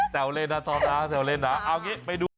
แต่เอาเล่นนะท็อปนะเอาคลิปไปดู